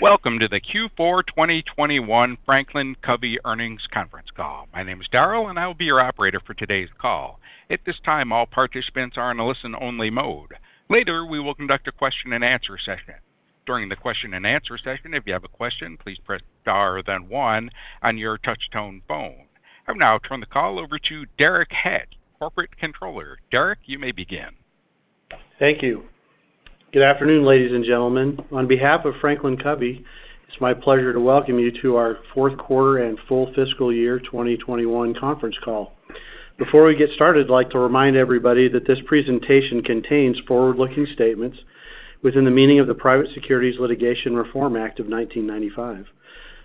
Welcome to the Q4 2021 Franklin Covey Earnings Conference call. My name is Daryl and I will be your operator for today's call. At this time, all participants are in a listen-only mode. Later, we will conduct a question-and-answer session. During the question-and-answer session, if you have a question, please press Star then one on your touch tone phone. I will now turn the call over to Derek Hatch, Corporate Controller. Derek, you may begin. Thank you. Good afternoon, ladies and gentlemen. On behalf of Franklin Covey, it's my pleasure to welcome you to our fourth quarter and full fiscal year 2021 conference call. Before we get started, I'd like to remind everybody that this presentation contains forward-looking statements within the meaning of the Private Securities Litigation Reform Act of 1995.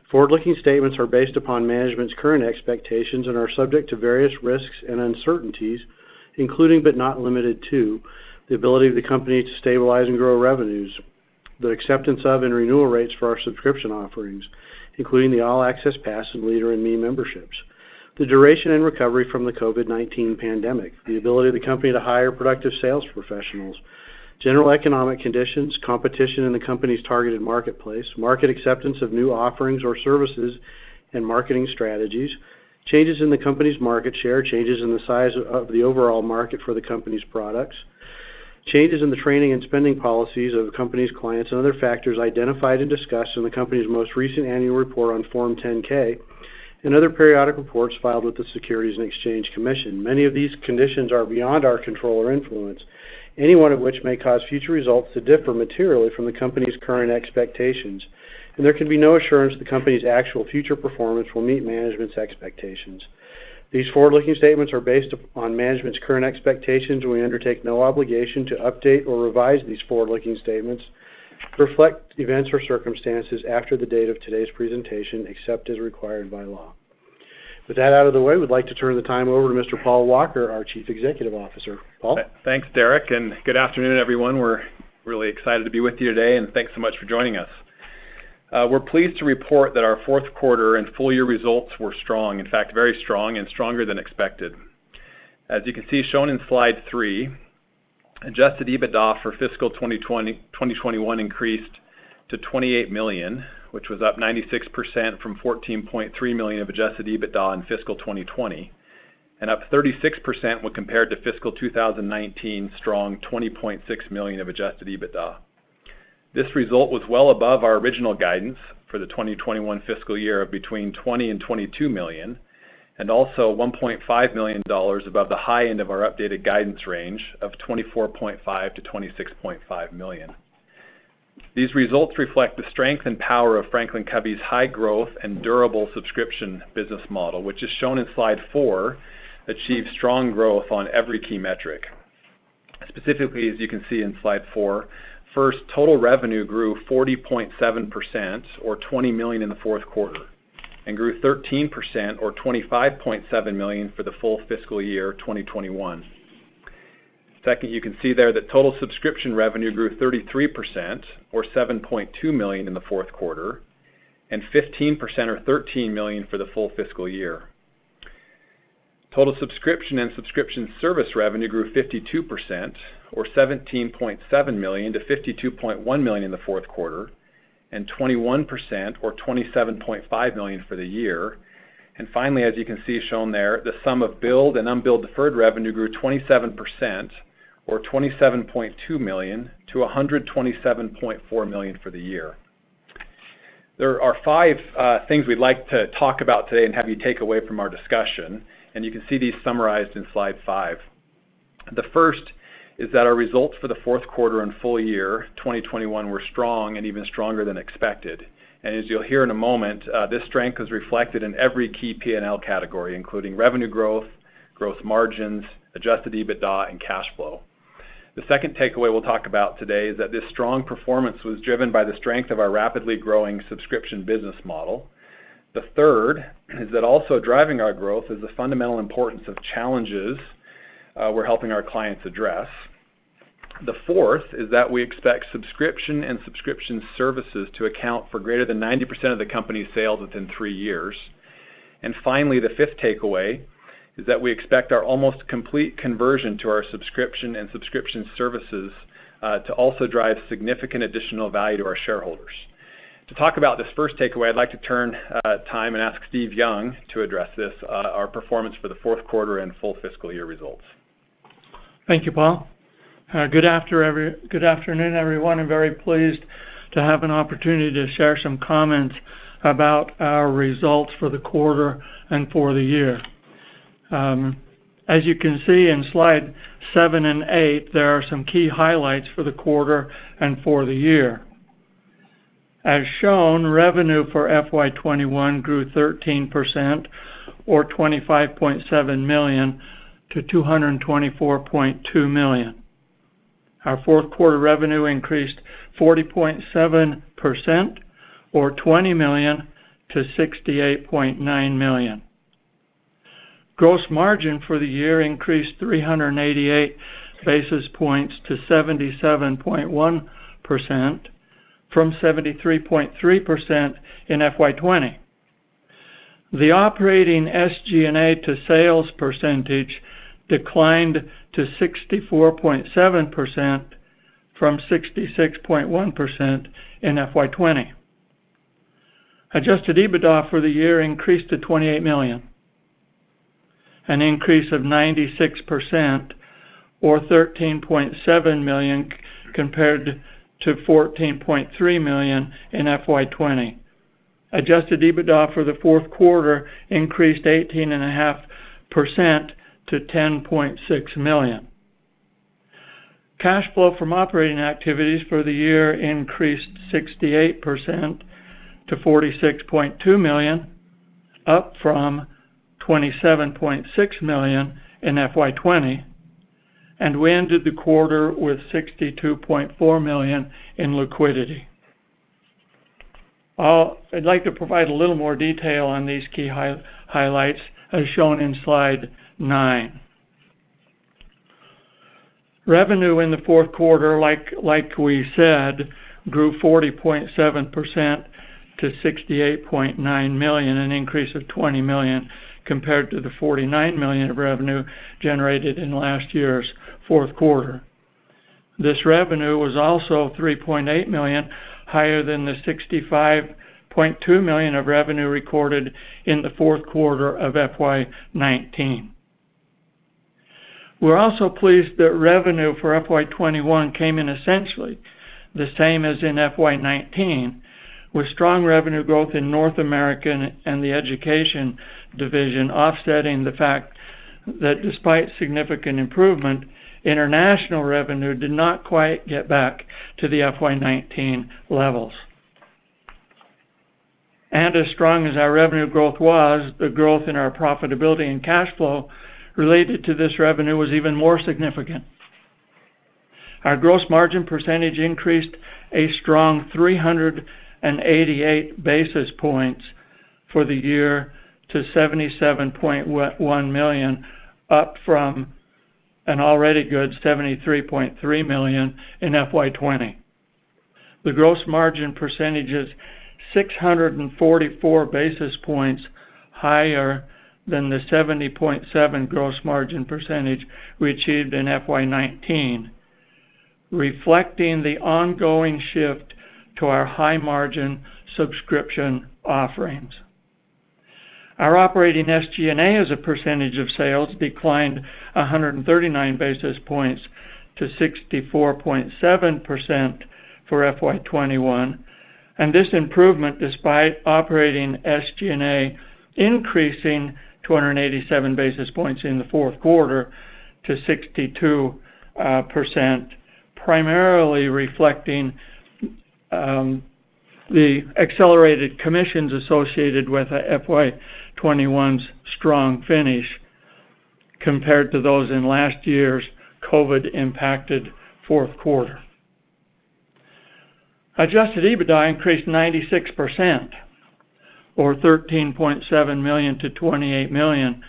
Forward-looking statements are based upon management's current expectations and are subject to various risks and uncertainties, including, but not limited to, the ability of the company to stabilize and grow revenues, the acceptance of and renewal rates for our subscription offerings, including the All Access Pass and Leader in Me memberships, the duration and recovery from the COVID-19 pandemic, the ability of the company to hire productive sales professionals, general economic conditions, competition in the company's targeted marketplace, market acceptance of new offerings or services and marketing strategies, changes in the company's market share, changes in the size of the overall market for the company's products, changes in the training and spending policies of the company's clients and other factors identified and discussed in the company's most recent annual report on Form 10-K and other periodic reports filed with the Securities and Exchange Commission. Many of these conditions are beyond our control or influence, any one of which may cause future results to differ materially from the company's current expectations, and there can be no assurance the company's actual future performance will meet management's expectations. These forward-looking statements are based upon management's current expectations, and we undertake no obligation to update or revise these forward-looking statements to reflect events or circumstances after the date of today's presentation, except as required by law. With that out of the way, we'd like to turn the time over to Mr. Paul Walker, our Chief Executive Officer. Paul? Thanks, Derek, and good afternoon, everyone. We're really excited to be with you today, and thanks so much for joining us. We're pleased to report that our fourth quarter and full year results were strong, in fact, very strong and stronger than expected. As you can see shown in slide three, adjusted EBITDA for fiscal 2021 increased to $28 million, which was up 96% from $14.3 million of adjusted EBITDA in fiscal 2020 and up 36% when compared to fiscal 2019 strong $20.6 million of adjusted EBITDA. This result was well above our original guidance for the 2021 fiscal year of between $20 million and $22 million and also $1.5 million above the high end of our updated guidance range of $24.5 million-$26.5 million. These results reflect the strength and power of Franklin Covey's high growth and durable subscription business model, which is shown in slide four, achieved strong growth on every key metric. Specifically, as you can see in slide four, first, total revenue grew 40.7% or $20 million in the fourth quarter and grew 13% or $25.7 million for the full fiscal year 2021. Second, you can see there that total subscription revenue grew 33% or $7.2 million in the fourth quarter and 15% or $13 million for the full fiscal year. Total subscription and subscription service revenue grew 52% or $17.7 million-$52.1 million in the fourth quarter and 21% or $27.5 million for the year. Finally, as you can see shown there, the sum of billed and unbilled deferred revenue grew 27% or $27.2 million-$127.4 million for the year. There are five things we'd like to talk about today and have you take away from our discussion, and you can see these summarized in slide five. The first is that our results for the fourth quarter and full year 2021 were strong and even stronger than expected. As you'll hear in a moment, this strength is reflected in every key P&L category, including revenue growth, gross margins, adjusted EBITDA and cash flow. The second takeaway we'll talk about today is that this strong performance was driven by the strength of our rapidly growing subscription business model. The third is that also driving our growth is the fundamental importance of challenges, we're helping our clients address. The fourth is that we expect subscription and subscription services to account for greater than 90% of the company's sales within three years. Finally, the fifth takeaway is that we expect our almost complete conversion to our subscription and subscription services to also drive significant additional value to our shareholders. To talk about this first takeaway, I'd like to turn time and ask Steve Young to address this, our performance for the fourth quarter and full fiscal year results. Thank you, Paul. Good afternoon, everyone. I'm very pleased to have an opportunity to share some comments about our results for the quarter and for the year. As you can see in slide seven and eight, there are some key highlights for the quarter and for the year. As shown, revenue for FY 2021 grew 13% or $25.7 million-$224.2 million. Our fourth quarter revenue increased 40.7% or $20 million-$68.9 million. Gross margin for the year increased 388 basis points to 77.1% from 73.3% in FY 2020. The operating SG&A to sales percentage declined to 64.7% from 66.1% in FY 2020. Adjusted EBITDA for the year increased to $28 million, an increase of 96% or $13.7 million compared to $14.3 million in FY 2020. Adjusted EBITDA for the fourth quarter increased 18.5% to $10.6 million. Cash flow from operating activities for the year increased 68% to $46.2 million, up from $27.6 million in FY 2020. We ended the quarter with $62.4 million in liquidity. I'd like to provide a little more detail on these key highlights as shown in slide 9. Revenue in the fourth quarter, like we said, grew 40.7% to $68.9 million, an increase of $20 million compared to the $49 million of revenue generated in last year's fourth quarter. This revenue was also $3.8 million higher than the $65.2 million of revenue recorded in the fourth quarter of FY 2019. We're also pleased that revenue for FY 2021 came in essentially the same as in FY 2019, with strong revenue growth in North America and the Education Division offsetting the fact that despite significant improvement, International revenue did not quite get back to the FY 2019 levels. As strong as our revenue growth was, the growth in our profitability and cash flow related to this revenue was even more significant. Our gross margin percentage increased a strong 388 basis points for the year to 77.1%, up from an already good 73.3% in FY 2020. The gross margin percentage is 644 basis points higher than the 70.7% gross margin percentage we achieved in FY 2019, reflecting the ongoing shift to our high-margin subscription offerings. Our operating SG&A as a percentage of sales declined 139 basis points to 64.7% for FY 2021. This improvement, despite operating SG&A increasing 287 basis points in the fourth quarter to 62%, primarily reflecting the accelerated commissions associated with FY 2021's strong finish compared to those in last year's COVID-impacted fourth quarter. Adjusted EBITDA increased 96% or $13.7 million-$28 million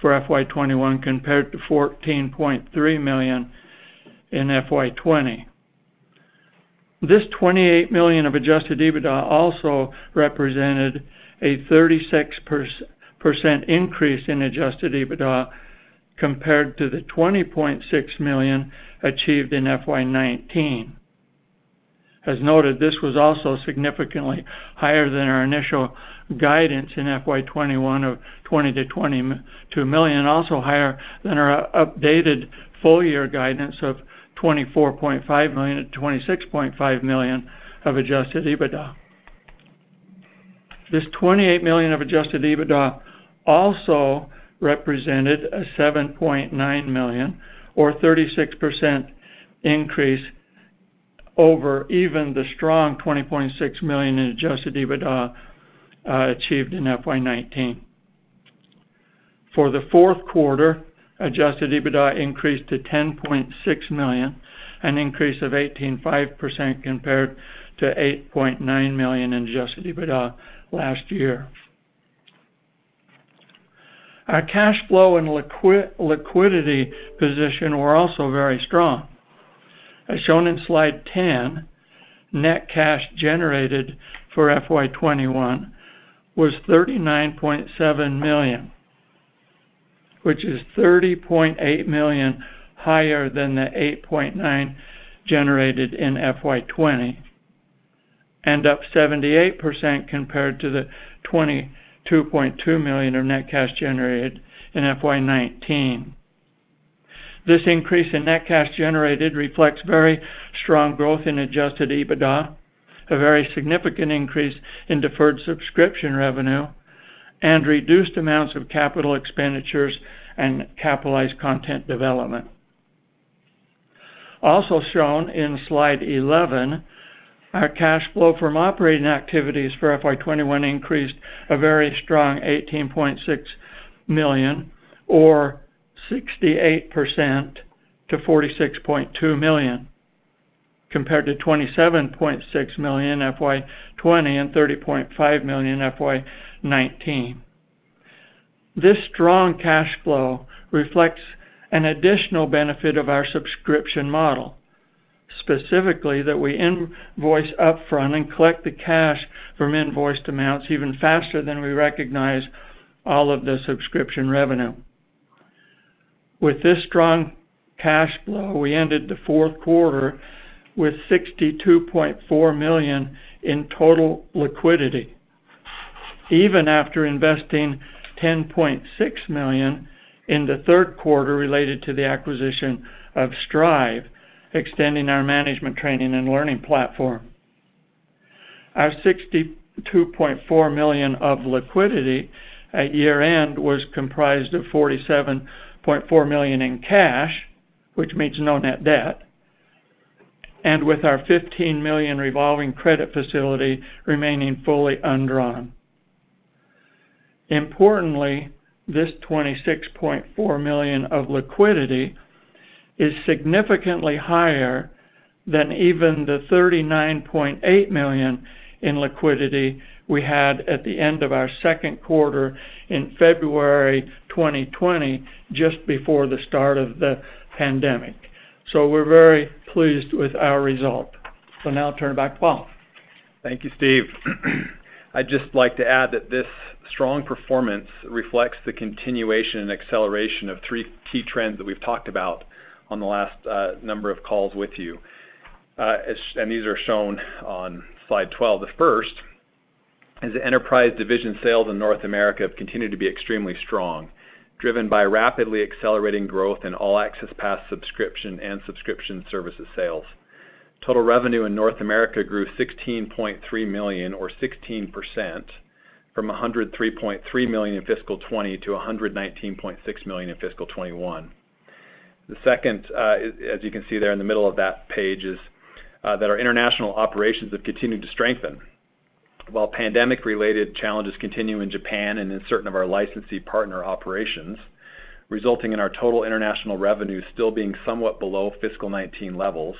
for FY 2021 compared to $14.3 million in FY 2020. This $28 million of adjusted EBITDA also represented a 36% increase in adjusted EBITDA compared to the $20.6 million achieved in FY 2019. As noted, this was also significantly higher than our initial guidance in FY 2021 of $20 million-$22 million, also higher than our updated full year guidance of $24.5 million-$26.5 million of adjusted EBITDA. This $28 million of adjusted EBITDA also represented a $7.9 million or 36% increase over even the strong $20.6 million in adjusted EBITDA achieved in FY 2019. For the fourth quarter, adjusted EBITDA increased to $10.6 million, an increase of 18.5% compared to $8.9 million in adjusted EBITDA last year. Our cash flow and liquidity position were also very strong. As shown in slide 10, net cash generated for FY 2021 was $39.7 million, which is $30.8 million higher than the $8.9 million generated in FY 2020, and up 78% compared to the $22.2 million of net cash generated in FY 2019. This increase in net cash generated reflects very strong growth in adjusted EBITDA, a very significant increase in deferred subscription revenue, and reduced amounts of capital expenditures and capitalized content development. Also shown in slide 11, our cash flow from operating activities for FY 2021 increased a very strong $18.6 million or 68% to $46.2 million compared to $27.6 million FY 2020 and $30.5 million FY 2019. This strong cash flow reflects an additional benefit of our subscription model, specifically that we invoice upfront and collect the cash from invoiced amounts even faster than we recognize all of the subscription revenue. With this strong cash flow, we ended the fourth quarter with $62.4 million in total liquidity, even after investing $10.6 million in the third quarter related to the acquisition of Strive, extending our management training and learning platform. Our $62.4 million of liquidity at year-end was comprised of $47.4 million in cash, which means no net debt, and with our $15 million revolving credit facility remaining fully undrawn. Importantly, this $26.4 million of liquidity is significantly higher than even the $39.8 million in liquidity we had at the end of our second quarter in February 2020, just before the start of the pandemic. We're very pleased with our result. Now I'll turn it back to Paul. Thank you, Steve. I'd just like to add that this strong performance reflects the continuation and acceleration of three key trends that we've talked about on the last number of calls with you. And these are shown on slide 12. The first is the Enterprise Division sales in North America have continued to be extremely strong, driven by rapidly accelerating growth in All Access Pass subscription and subscription services sales. Total revenue in North America grew $16.3 million or 16% from $103.3 million in fiscal 2020 to $119.6 million in fiscal 2021. The second, as you can see there in the middle of that page, is that our international operations have continued to strengthen. While pandemic-related challenges continue in Japan and in certain of our licensee partner operations, resulting in our total international revenue still being somewhat below fiscal 2019 levels,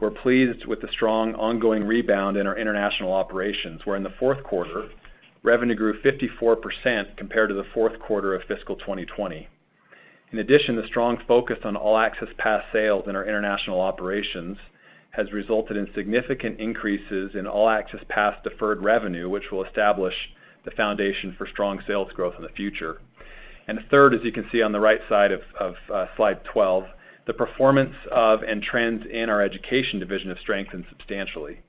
we're pleased with the strong ongoing rebound in our international operations, where in the fourth quarter, revenue grew 54% compared to the fourth quarter of fiscal 2020. In addition, the strong focus on All Access Pass sales in our international operations has resulted in significant increases in All Access Pass deferred revenue, which will establish the foundation for strong sales growth in the future. The third, as you can see on the right side of slide 12, the performance of, and trends in our education division have strengthened substantially.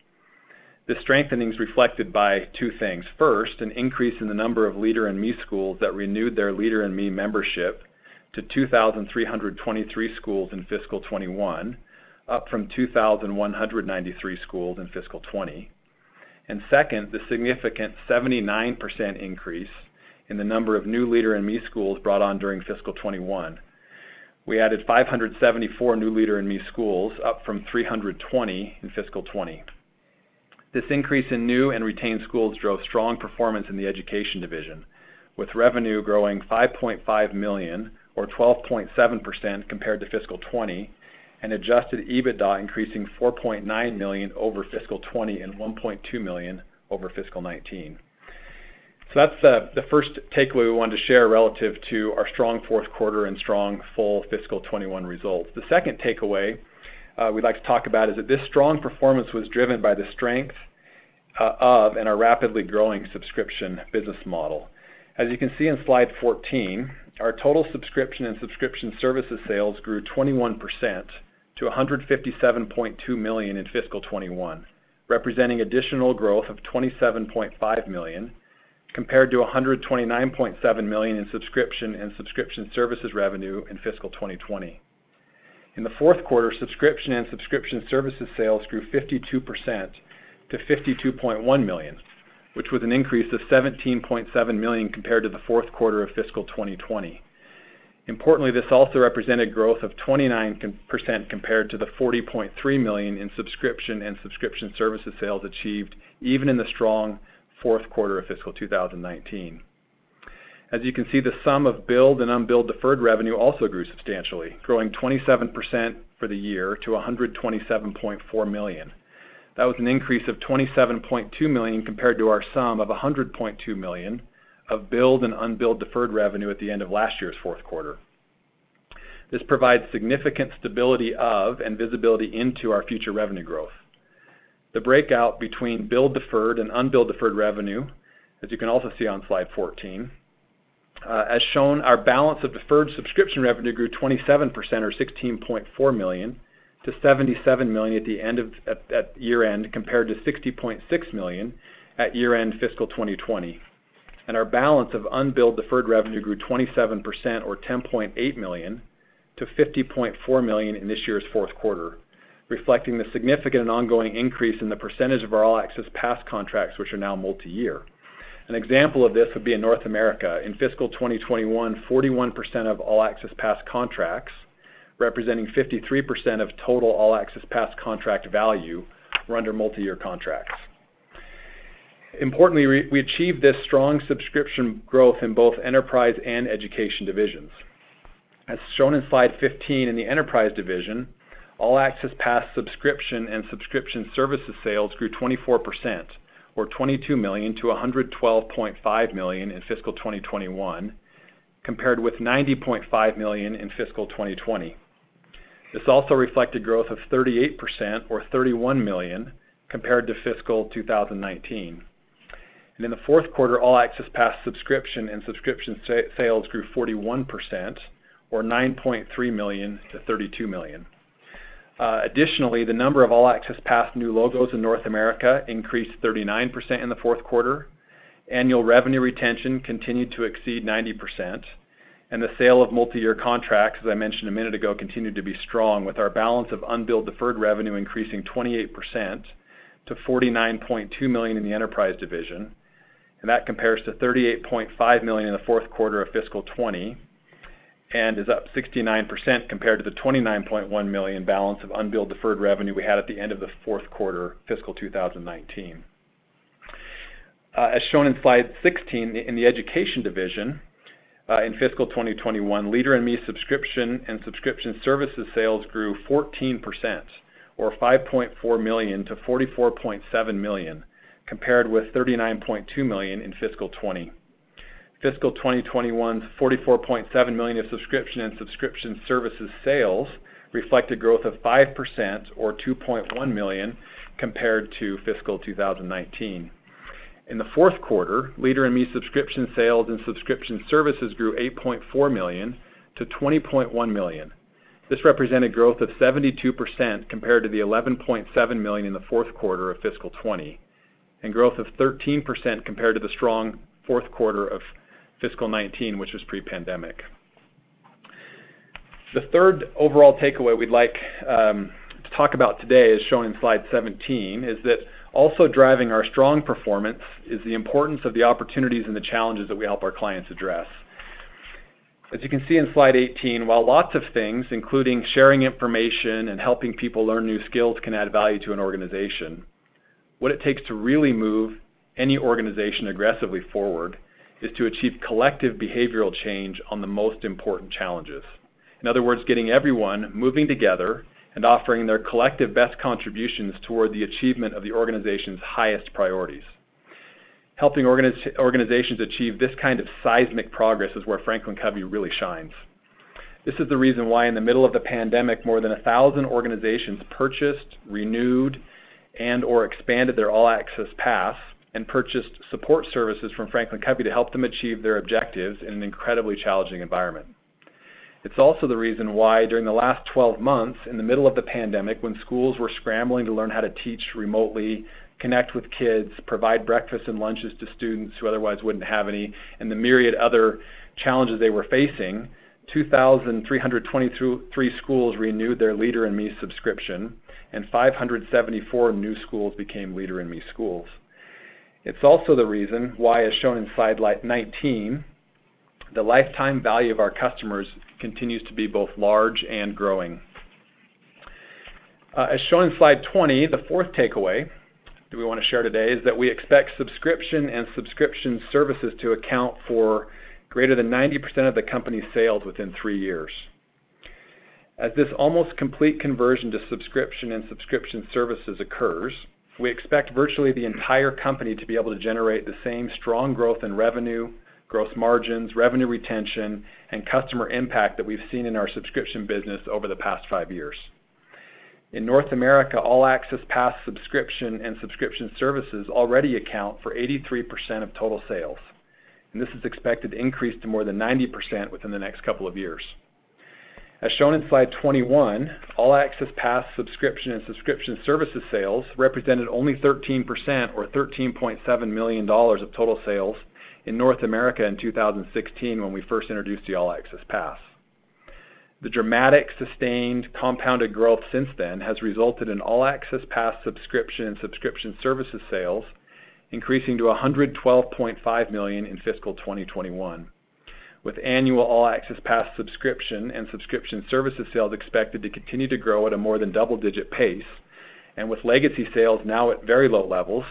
This strengthening is reflected by two things. First, an increase in the number of Leader in Me schools that renewed their Leader in Me membership to 2,323 schools in fiscal 2021, up from 2,193 schools in fiscal 2020. Second, the significant 79% increase in the number of new Leader in Me schools brought on during fiscal 2021. We added 574 new Leader in Me schools, up from 320 in fiscal 2020. This increase in new and retained schools drove strong performance in the education division, with revenue growing $5.5 million or 12.7% compared to fiscal 2020, and adjusted EBITDA increasing $4.9 million over fiscal 2020 and $1.2 million over fiscal 2019. That's the first takeaway we wanted to share relative to our strong fourth quarter and strong full fiscal 2021 results. The second takeaway we'd like to talk about is that this strong performance was driven by the strength of our rapidly growing subscription business model. As you can see in slide 14, our total subscription and subscription services sales grew 21% to $157.2 million in fiscal 2021, representing additional growth of $27.5 million compared to $129.7 million in subscription and subscription services revenue in fiscal 2020. In the fourth quarter, subscription and subscription services sales grew 52% to $52.1 million, which was an increase of $17.7 million compared to the fourth quarter of fiscal 2020. Importantly, this also represented growth of 29% compared to the $40.3 million in subscription and subscription services sales achieved even in the strong fourth quarter of fiscal 2019. As you can see, the sum of billed and unbilled deferred revenue also grew substantially, growing 27% for the year to $127.4 million. That was an increase of $27.2 million compared to our sum of $100.2 million of billed and unbilled deferred revenue at the end of last year's fourth quarter. This provides significant stability of and visibility into our future revenue growth. The breakout between billed deferred and unbilled deferred revenue, as you can also see on slide 14, as shown, our balance of deferred subscription revenue grew 27% or $16.4 million- $77 million at year-end, compared to $60.6 million at year-end fiscal 2020. Our balance of unbilled deferred revenue grew 27% or $10.8 million-$50.4 million in this year's fourth quarter, reflecting the significant and ongoing increase in the percentage of our All Access Pass contracts which are now multi-year. An example of this would be in North America. In fiscal 2021, 41% of All Access Pass contracts, representing 53% of total All Access Pass contract value, were under multi-year contracts. Importantly, we achieved this strong subscription growth in both Enterprise and Education divisions. As shown in slide 15, in the Enterprise division, All Access Pass subscription and subscription services sales grew 24% or $22 million-$112.5 million in fiscal 2021, compared with $90.5 million in fiscal 2020. This also reflected growth of 38% or $31 million compared to fiscal 2019. In the fourth quarter, All Access Pass subscription and subscription sales grew 41% or $9.3 million-$32 million. Additionally, the number of All Access Pass new logos in North America increased 39% in the fourth quarter. Annual revenue retention continued to exceed 90%, and the sale of multiyear contracts, as I mentioned a minute ago, continued to be strong with our balance of unbilled deferred revenue increasing 28% to $49.2 million in the enterprise division. That compares to $38.5 million in the fourth quarter of fiscal 2020, and is up 69% compared to the $29.1 million balance of unbilled deferred revenue we had at the end of the fourth quarter, fiscal 2019. As shown in slide 16, in the education division, in fiscal 2021, Leader in Me subscription and subscription services sales grew 14% or $5.4 million-$44.7 million, compared with $39.2 million in fiscal 2020. Fiscal 2021's $44.7 million of subscription and subscription services sales reflected growth of 5% or $2.1 million compared to fiscal 2019. In the fourth quarter, Leader in Me subscription sales and subscription services grew $8.4 million-$20.1 million. This represented growth of 72% compared to the $11.7 million in the fourth quarter of fiscal 2020, and growth of 13% compared to the strong fourth quarter of fiscal 2019, which was pre-pandemic. The third overall takeaway we'd like to talk about today is shown in slide 17, is that also driving our strong performance is the importance of the opportunities and the challenges that we help our clients address. As you can see in slide 18, while lots of things, including sharing information and helping people learn new skills can add value to an organization, what it takes to really move any organization aggressively forward is to achieve collective behavioral change on the most important challenges. In other words, getting everyone moving together and offering their collective best contributions toward the achievement of the organization's highest priorities. Helping organizations achieve this kind of seismic progress is where FranklinCovey really shines. This is the reason why in the middle of the pandemic, more than 1,000 organizations purchased, renewed, and/or expanded their All Access Pass and purchased support services from FranklinCovey to help them achieve their objectives in an incredibly challenging environment. It's also the reason why during the last 12 months in the middle of the pandemic, when schools were scrambling to learn how to teach remotely, connect with kids, provide breakfast and lunches to students who otherwise wouldn't have any, and the myriad other challenges they were facing, 2,323 schools renewed their Leader in Me subscription, and 574 new schools became Leader in Me schools. It's also the reason why, as shown in slide 19, the lifetime value of our customers continues to be both large and growing. As shown in slide 20, the fourth takeaway that we wanna share today is that we expect subscription and subscription services to account for greater than 90% of the company's sales within three years. As this almost complete conversion to subscription and subscription services occurs, we expect virtually the entire company to be able to generate the same strong growth in revenue, gross margins, revenue retention, and customer impact that we've seen in our subscription business over the past five years. In North America, All Access Pass subscription and subscription services already account for 83% of total sales, and this is expected to increase to more than 90% within the next couple of years. As shown in slide 21, All Access Pass subscription and subscription services sales represented only 13% or $13.7 million of total sales in North America in 2016 when we first introduced the All Access Pass. The dramatic sustained compounded growth since then has resulted in All Access Pass subscription and subscription services sales increasing to $112.5 million in fiscal 2021. With annual All Access Pass subscription and subscription services sales expected to continue to grow at a more than double-digit pace, and with legacy sales now at very low levels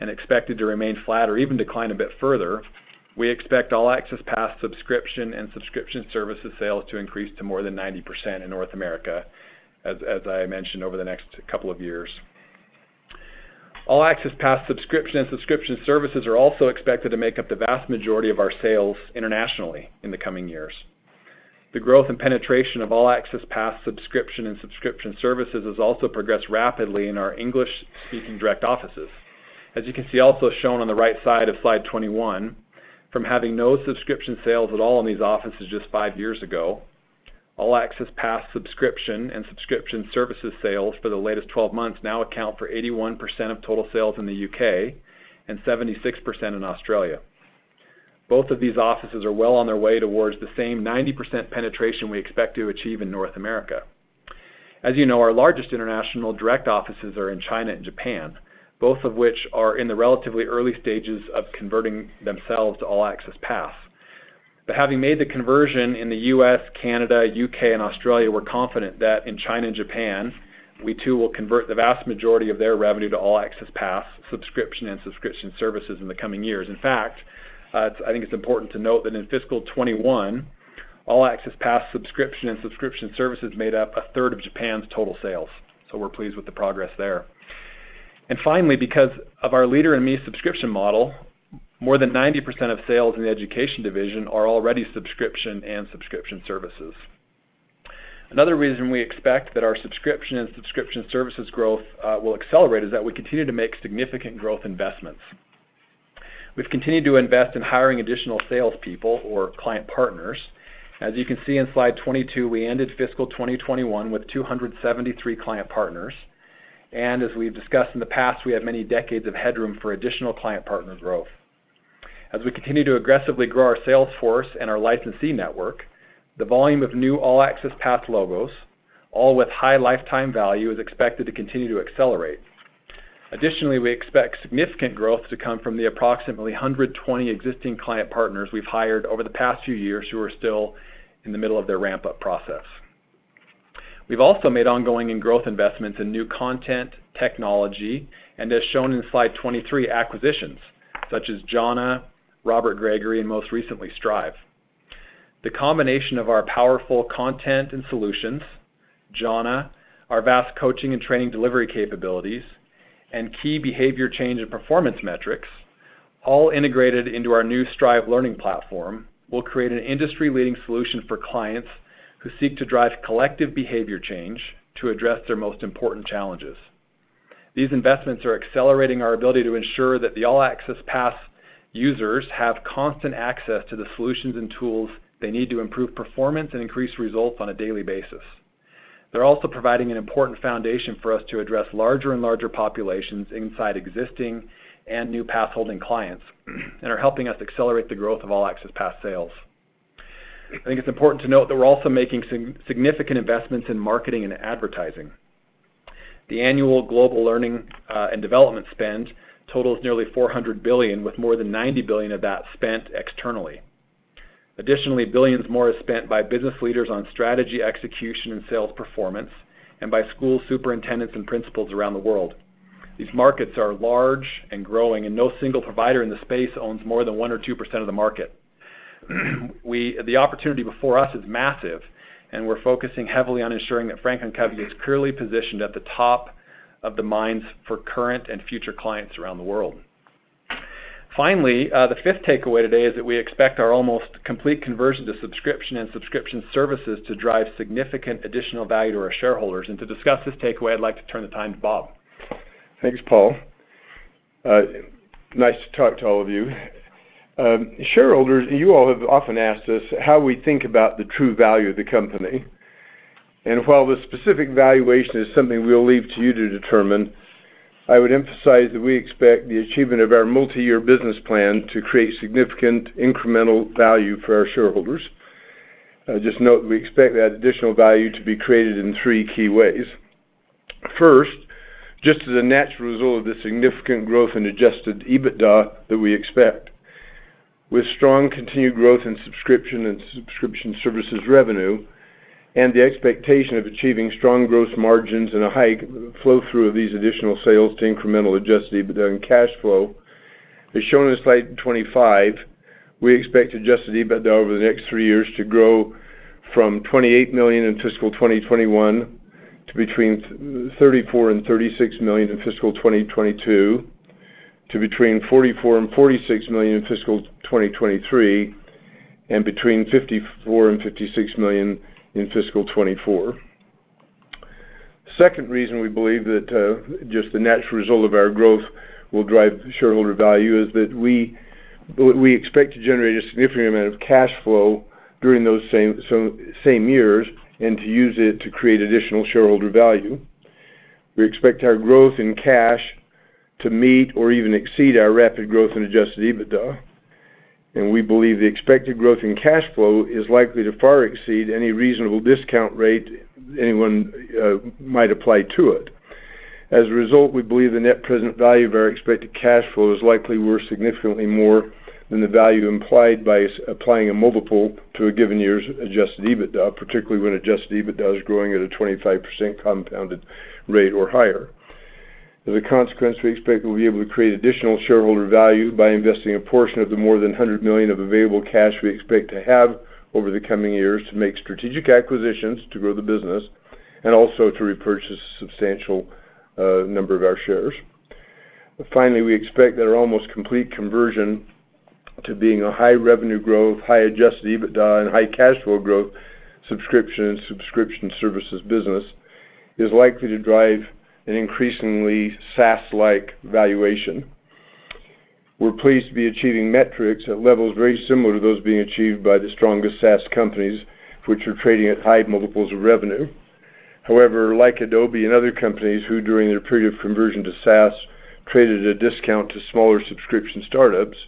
and expected to remain flat or even decline a bit further, we expect All Access Pass subscription and subscription services sales to increase to more than 90% in North America, as I mentioned over the next couple of years. All Access Pass subscription and subscription services are also expected to make up the vast majority of our sales internationally in the coming years. The growth and penetration of All Access Pass subscription and subscription services has also progressed rapidly in our English-speaking direct offices. As you can see also shown on the right side of slide 21, from having no subscription sales at all in these offices just five years ago, All Access Pass subscription and subscription services sales for the latest 12 months now account for 81% of total sales in the U.K. and 76% in Australia. Both of these offices are well on their way towards the same 90% penetration we expect to achieve in North America. As you know, our largest international direct offices are in China and Japan, both of which are in the relatively early stages of converting themselves to All Access Pass. Having made the conversion in the U.S., Canada, U.K., and Australia, we're confident that in China and Japan, we too will convert the vast majority of their revenue to All Access Pass subscription and subscription services in the coming years. In fact, I think it's important to note that in fiscal 2021, All Access Pass subscription and subscription services made up a third of Japan's total sales. We're pleased with the progress there. Finally, because of our Leader in Me subscription model, more than 90% of sales in the education division are already subscription and subscription services. Another reason we expect that our subscription and subscription services growth will accelerate is that we continue to make significant growth investments. We've continued to invest in hiring additional salespeople or client partners. As you can see in slide 22, we ended fiscal 2021 with 273 client partners. As we've discussed in the past, we have many decades of headroom for additional client partner growth. As we continue to aggressively grow our sales force and our licensee network, the volume of new All Access Pass logos, all with high lifetime value, is expected to continue to accelerate. Additionally, we expect significant growth to come from the approximately 120 existing client partners we've hired over the past few years who are still in the middle of their ramp up process. We've also made ongoing and growth investments in new content technology, and as shown in slide 23, acquisitions such as Jhana, Robert Gregory Partners, and most recently, Strive. The combination of our powerful content and solutions, Jhana, our vast coaching and training delivery capabilities, and key behavior change and performance metrics, all integrated into our new Strive learning platform, will create an industry-leading solution for clients who seek to drive collective behavior change to address their most important challenges. These investments are accelerating our ability to ensure that the All Access Pass users have constant access to the solutions and tools they need to improve performance and increase results on a daily basis. They're also providing an important foundation for us to address larger and larger populations inside existing and new pass-holding clients, and are helping us accelerate the growth of All Access Pass sales. I think it's important to note that we're also making significant investments in marketing and advertising. The annual global learning and development spend totals nearly $400 billion, with more than $90 billion of that spent externally. Additionally, billions more is spent by business leaders on strategy, execution, and sales performance, and by school superintendents and principals around the world. These markets are large and growing, and no single provider in the space owns more than 1% or 2% of the market. The opportunity before us is massive, and we're focusing heavily on ensuring that Franklin Covey is clearly positioned at the top of the minds for current and future clients around the world. Finally, the fifth takeaway today is that we expect our almost complete conversion to subscription and subscription services to drive significant additional value to our shareholders. To discuss this takeaway, I'd like to turn the time to Bob. Thanks, Paul. Nice to talk to all of you. Shareholders, you all have often asked us how we think about the true value of the company. While the specific valuation is something we'll leave to you to determine, I would emphasize that we expect the achievement of our multi-year business plan to create significant incremental value for our shareholders. I just note that we expect that additional value to be created in three key ways. First, just as a natural result of the significant growth in adjusted EBITDA that we expect with strong continued growth in subscription and subscription services revenue and the expectation of achieving strong growth margins and a high flow through of these additional sales to incremental adjusted EBITDA and cash flow. As shown in slide 25, we expect adjusted EBITDA over the next three years to grow from $28 million in fiscal 2021 to between $34 million and $36 million in fiscal 2022, to between $44 million and $46 million in fiscal 2023, and between $54 million and $56 million in fiscal 2024. Second reason we believe that just the natural result of our growth will drive shareholder value is that we expect to generate a significant amount of cash flow during those same years, and to use it to create additional shareholder value. We expect our growth in cash to meet or even exceed our rapid growth in adjusted EBITDA, and we believe the expected growth in cash flow is likely to far exceed any reasonable discount rate anyone might apply to it. As a result, we believe the net present value of our expected cash flow is likely worth significantly more than the value implied by simply applying a multiple to a given year's adjusted EBITDA, particularly when adjusted EBITDA is growing at a 25% compounded rate or higher. As a consequence, we expect we'll be able to create additional shareholder value by investing a portion of the more than $100 million of available cash we expect to have over the coming years to make strategic acquisitions to grow the business, and also to repurchase a substantial number of our shares. Finally, we expect that our almost complete conversion to being a high revenue growth, high adjusted EBITDA, and high cash flow growth subscription and subscription services business is likely to drive an increasingly SaaS-like valuation. We're pleased to be achieving metrics at levels very similar to those being achieved by the strongest SaaS companies, which are trading at high multiples of revenue. However, like Adobe and other companies who, during their period of conversion to SaaS, traded at a discount to smaller subscription startups,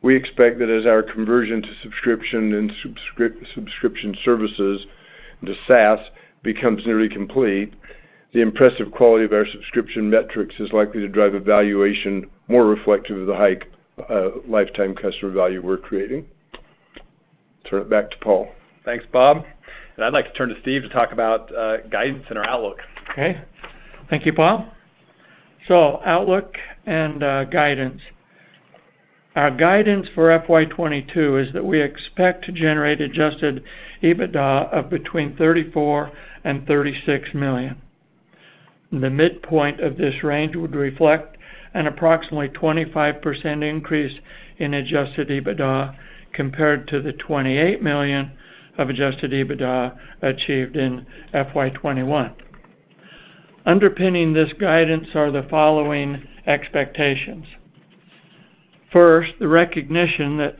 we expect that as our conversion to subscription and subscription services to SaaS becomes nearly complete, the impressive quality of our subscription metrics is likely to drive a valuation more reflective of the high lifetime customer value we're creating. Turn it back to Paul. Thanks, Bob. I'd like to turn to Steve to talk about guidance and our outlook. Okay. Thank you, Paul. Outlook and guidance. Our guidance for FY 2022 is that we expect to generate adjusted EBITDA of between $34 million and $36 million. The midpoint of this range would reflect an approximately 25% increase in adjusted EBITDA compared to the $28 million of adjusted EBITDA achieved in FY 2022. Underpinning this guidance are the following expectations. First, the recognition that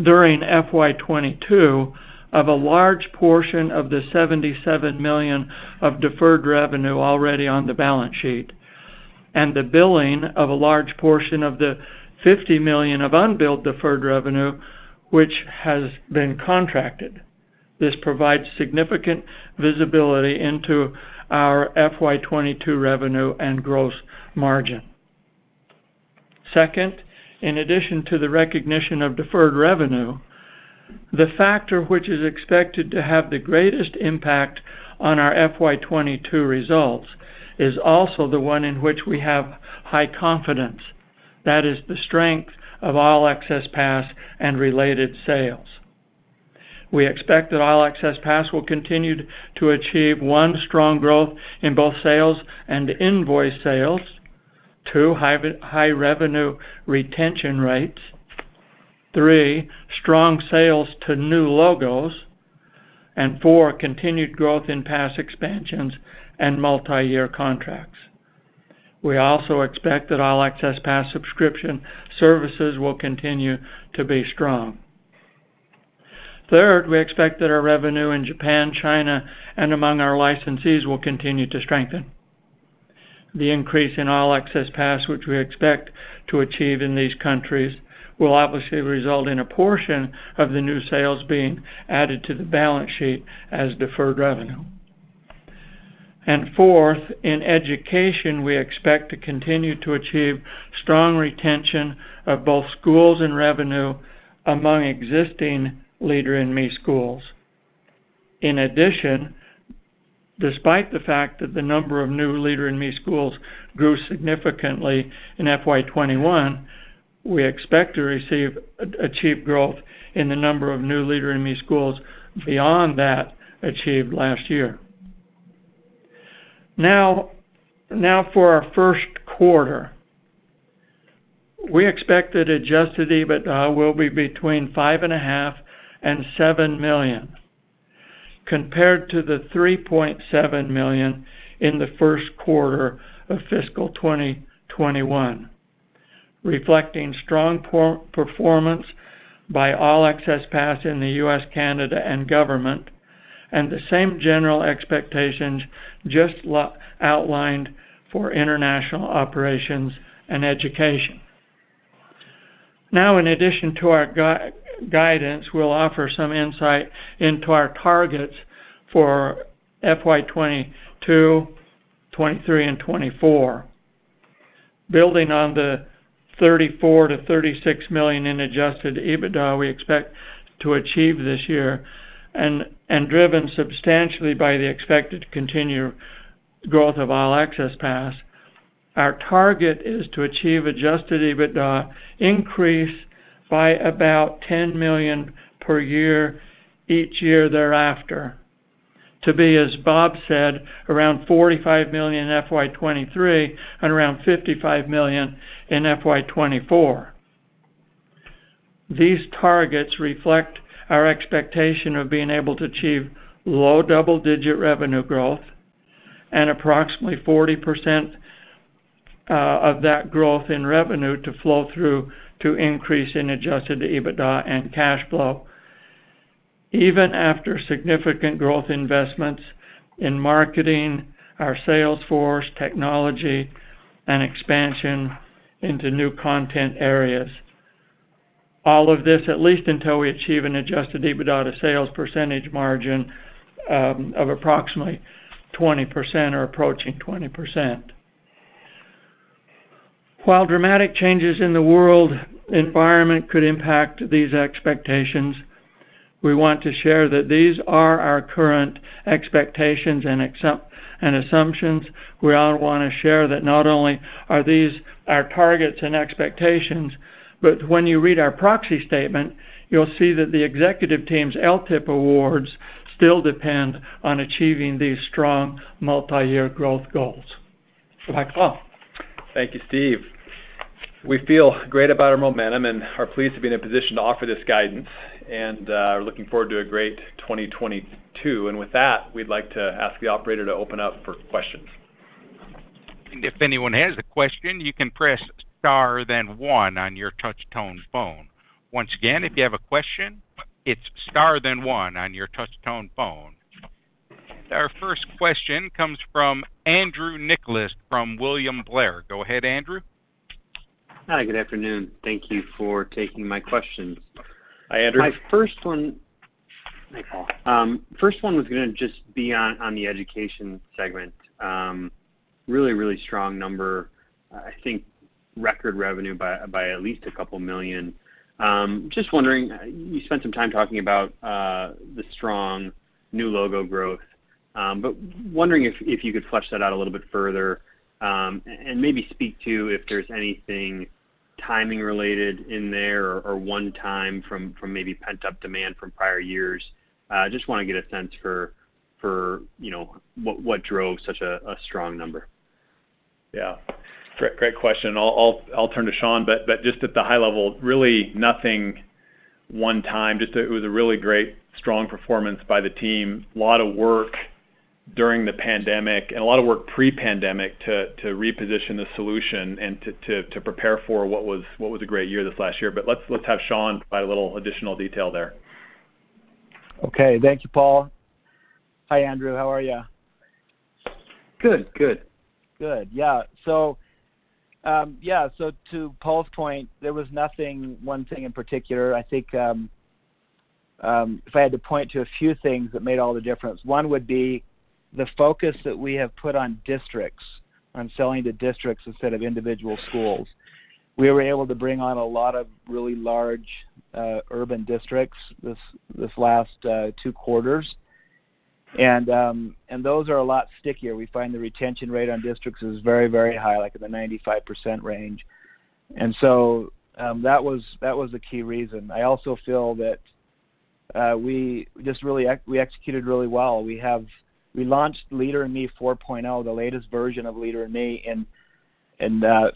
during FY 2022 of a large portion of the $77 million of deferred revenue already on the balance sheet, and the billing of a large portion of the $50 million of unbilled deferred revenue, which has been contracted. This provides significant visibility into our FY 2022 revenue and gross margin. Second, in addition to the recognition of deferred revenue, the factor which is expected to have the greatest impact on our FY 2022 results is also the one in which we have high confidence. That is the strength of All Access Pass and related sales. We expect that All Access Pass will continue to achieve one, strong growth in both sales and invoice sales. Two, high revenue retention rates. Three, strong sales to new logos. Four, continued growth in pass expansions and multiyear contracts. We also expect that All Access Pass subscription services will continue to be strong. Third, we expect that our revenue in Japan, China, and among our licensees will continue to strengthen. The increase in All Access Pass, which we expect to achieve in these countries, will obviously result in a portion of the new sales being added to the balance sheet as deferred revenue. Fourth, in education, we expect to continue to achieve strong retention of both schools and revenue among existing Leader in Me schools. In addition, despite the fact that the number of new Leader in Me schools grew significantly in FY 2021, we expect to achieve growth in the number of new Leader in Me schools beyond that achieved last year. Now for our first quarter. We expect that adjusted EBITDA will be between $5.5 million and $7 million, compared to the $3.7 million in the first quarter of fiscal 2021, reflecting strong performance by All Access Pass in the U.S., Canada, and government, and the same general expectations just outlined for international operations and education. Now in addition to our guidance, we'll offer some insight into our targets for FY 2022, 2023, and 2024. Building on the $34 million-$36 million in adjusted EBITDA we expect to achieve this year and driven substantially by the expected continued growth of All Access Pass, our target is to achieve adjusted EBITDA increase by about $10 million per year each year thereafter. To be, as Bob said, around $45 million in FY 2023 and around $55 million in FY 2024. These targets reflect our expectation of being able to achieve low double-digit revenue growth and approximately 40% of that growth in revenue to flow through to increase in adjusted EBITDA and cash flow, even after significant growth investments in marketing, our sales force, technology, and expansion into new content areas. All of this at least until we achieve an adjusted EBITDA sales percentage margin of approximately 20% or approaching 20%. While dramatic changes in the world environment could impact these expectations, we want to share that these are our current expectations and assumptions. We all wanna share that not only are these our targets and expectations, but when you read our proxy statement, you'll see that the executive team's LTIP awards still depend on achieving these strong multiyear growth goals. Back to Paul. Thank you, Steve. We feel great about our momentum and are pleased to be in a position to offer this guidance, and looking forward to a great 2022. With that, we'd like to ask the operator to open up for questions. If anyone has a question, you can press Star then one on your touch tone phone. Once again, if you have a question, it's Star then one on your touch tone phone. Our first question comes from Andrew Nicholas from William Blair. Go ahead, Andrew. Hi, good afternoon. Thank you for taking my questions. Hi, Andrew. Hi, Paul. First one was gonna just be on the Education segment. Really strong number. I think record revenue by at least $2 million. Just wondering, you spent some time talking about the strong new logo growth. But wondering if you could flesh that out a little bit further, and maybe speak to if there's anything timing related in there or one-time from maybe pent-up demand from prior years. Just wanna get a sense for, you know, what drove such a strong number. Yeah. Great question. I'll turn to Sean, but just at the high level, really nothing one time. Just it was a really great strong performance by the team. A lot of work during the pandemic, and a lot of work pre-pandemic to reposition the solution and to prepare for what was a great year this last year. But let's have Sean provide a little additional detail there. Okay. Thank you, Paul. Hi, Andrew. How are you? Good. Good. Good. Yeah. To Paul's point, one thing in particular, I think, if I had to point to a few things that made all the difference, one would be the focus that we have put on districts, on selling to districts instead of individual schools. We were able to bring on a lot of really large urban districts this last two quarters. And those are a lot stickier. We find the retention rate on districts is very, very high, like in the 95% range. That was a key reason. I also feel that we just really executed really well. We launched Leader in Me 4.0, the latest version of Leader in Me in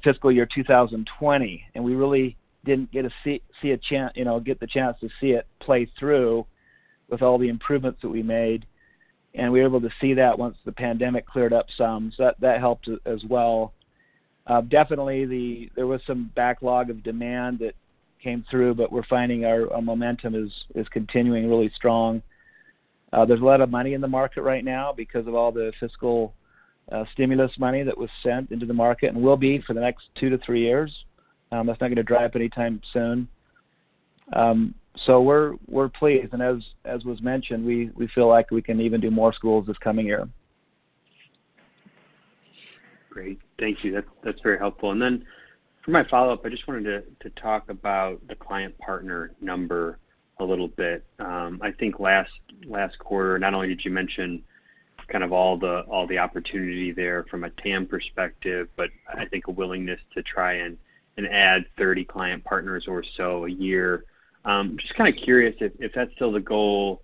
fiscal year 2020, and we really didn't get to see, you know, get the chance to see it play through with all the improvements that we made. We're able to see that once the pandemic cleared up some. That helped as well. Definitely there was some backlog of demand that came through, but we're finding our momentum is continuing really strong. There's a lot of money in the market right now because of all the fiscal stimulus money that was sent into the market and will be for the next two to three years. That's not gonna dry up anytime soon. We're pleased. As was mentioned, we feel like we can even do more schools this coming year. Great. Thank you. That's very helpful. For my follow-up, I just wanted to talk about the client partner number a little bit. I think last quarter, not only did you mention kind of all the opportunity there from a TAM perspective, but I think a willingness to try and add 30 client partners or so a year. Just kinda curious if that's still the goal,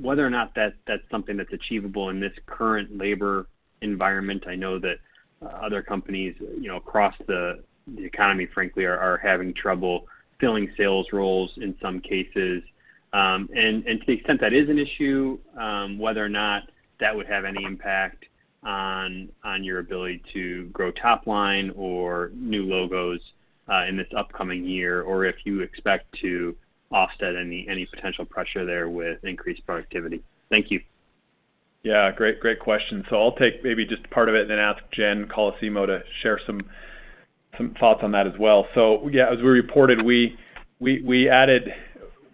whether or not that's something that's achievable in this current labor environment. I know that other companies, you know, across the economy, frankly, are having trouble filling sales roles in some cases. To the extent that is an issue, whether or not that would have any impact on your ability to grow top line or new logos in this upcoming year, or if you expect to offset any potential pressure there with increased productivity? Thank you. Yeah. Great question. I'll take maybe just part of it and then ask Jennifer Colosimo to share some thoughts on that as well. Yeah, as we reported, we added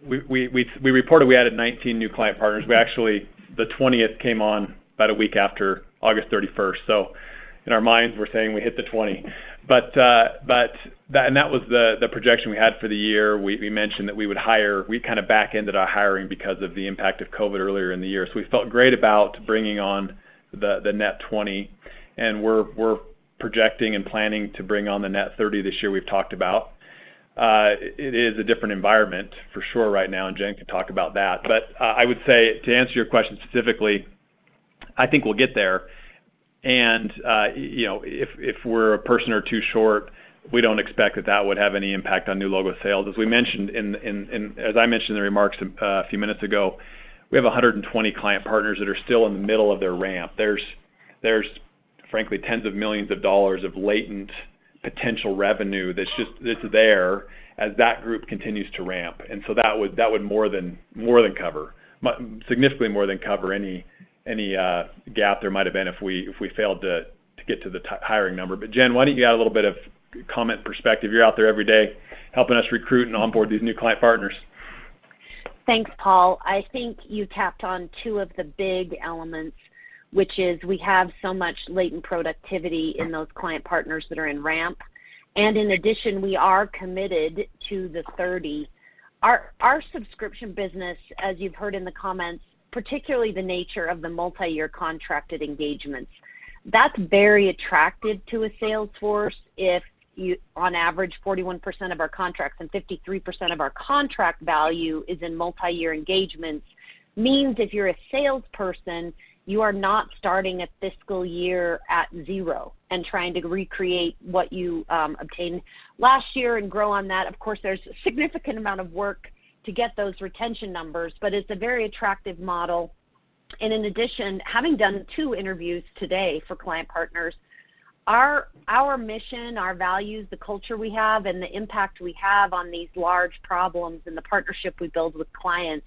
19 new client partners. We actually, the 20th came on about a week after August 31st. In our minds, we're saying we hit the 20. But that was the projection we had for the year. We mentioned that we would hire. We kinda backended our hiring because of the impact of COVID earlier in the year. We felt great about bringing on the net 20, and we're projecting and planning to bring on the net 30 this year we've talked about. It is a different environment for sure right now, and Jen can talk about that. I would say to answer your question specifically, I think we'll get there. You know, if we're a person or two short, we don't expect that would have any impact on new logo sales. As I mentioned in the remarks a few minutes ago, we have 120 client partners that are still in the middle of their ramp. There's frankly tens of millions of dollars of latent potential revenue that's there as that group continues to ramp. That would more than cover, significantly more than cover any gap there might have been if we failed to get to the hiring number. Jen, why don't you add a little bit of comment perspective? You're out there every day helping us recruit and onboard these new client partners. Thanks, Paul. I think you tapped on two of the big elements, which is we have so much latent productivity in those client partners that are in ramp. In addition, we are committed to the 30. Our subscription business, as you've heard in the comments, particularly the nature of the multiyear contracted engagements, that's very attractive to a sales force if you. On average, 41% of our contracts and 53% of our contract value is in multiyear engagements, means if you're a salesperson, you are not starting a fiscal year at zero and trying to recreate what you obtained last year and grow on that. Of course, there's a significant amount of work to get those retention numbers, but it's a very attractive model. In addition, having done two interviews today for client partners, our mission, our values, the culture we have, and the impact we have on these large problems and the partnership we build with clients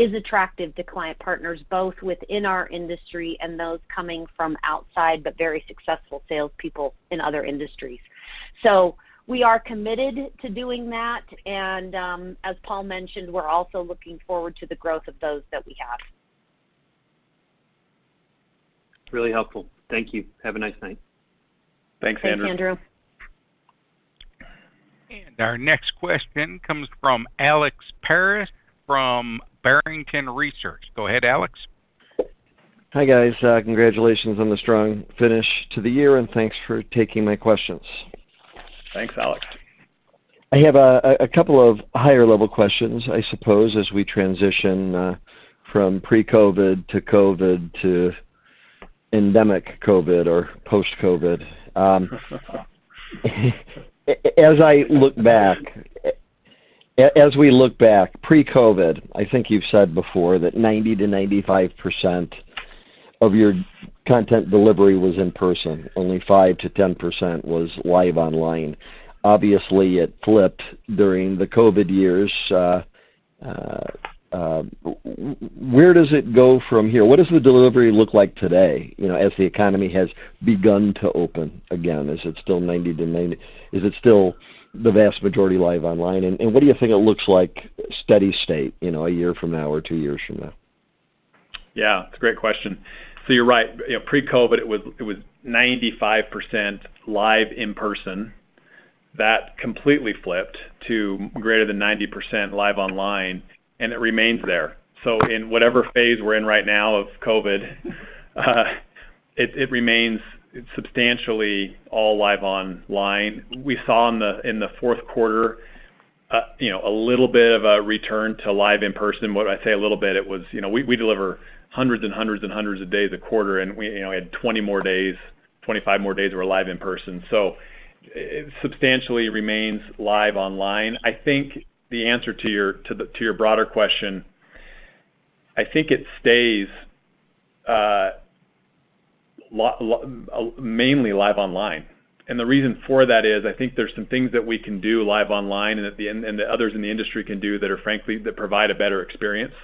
is attractive to client partners, both within our industry and those coming from outside, but very successful salespeople in other industries. We are committed to doing that. As Paul mentioned, we're also looking forward to the growth of those that we have. Really helpful. Thank you. Have a nice night. Thanks, Andrew. Thanks, Andrew. Our next question comes from Alex Paris from Barrington Research. Go ahead, Alex. Hi, guys. Congratulations on the strong finish to the year, and thanks for taking my questions. Thanks, Alex. I have a couple of higher level questions, I suppose, as we transition from pre-COVID to COVID to endemic COVID or post-COVID. As we look back pre-COVID, I think you've said before that 90%-95% of your content delivery was in person. Only 5%-10% was live online. Obviously, it flipped during the COVID years. Where does it go from here? What does the delivery look like today, you know, as the economy has begun to open again? Is it still the vast majority live online? What do you think it looks like steady state, you know, a year from now or two years from now? Yeah, it's a great question. You're right. You know, pre-COVID, it was 95% live in person. That completely flipped to greater than 90% live online, and it remains there. In whatever phase we're in right now of COVID, it remains substantially all live online. We saw in the fourth quarter a little bit of a return to live in person. When I say a little bit, it was. You know, we deliver hundreds and hundreds and hundreds of days a quarter, and we had 20 more days, 25 more days were live in person. It substantially remains live online. I think the answer to your broader question, I think it stays mainly live online. The reason for that is, I think there's some things that we can do live online and the others in the industry can do that are, frankly, that provide a better experience.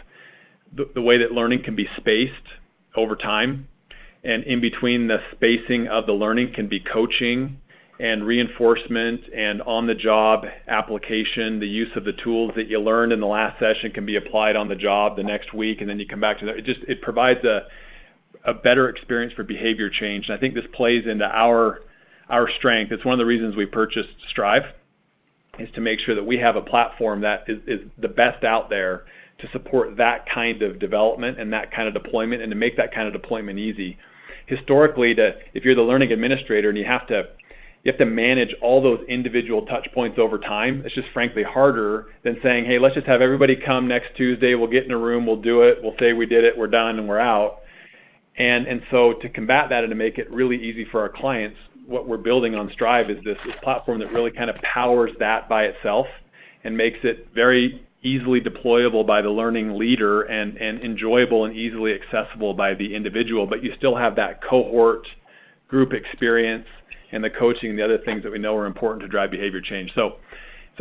The way that learning can be spaced over time, and in between the spacing of the learning can be coaching and reinforcement and on-the-job application. The use of the tools that you learned in the last session can be applied on the job the next week, and then you come back to the. It just provides a better experience for behavior change. I think this plays into our strength. It's one of the reasons we purchased Strive, is to make sure that we have a platform that is the best out there to support that kind of development and that kind of deployment and to make that kind of deployment easy. Historically, if you're the learning administrator and you have to manage all those individual touch points over time, it's just frankly harder than saying, "Hey, let's just have everybody come next Tuesday. We'll get in a room, we'll do it. We'll say we did it, we're done, and we're out." And so to combat that and to make it really easy for our clients, what we're building on Strive is this platform that really kind of powers that by itself and makes it very easily deployable by the learning leader and enjoyable and easily accessible by the individual. You still have that cohort group experience and the coaching and the other things that we know are important to drive behavior change.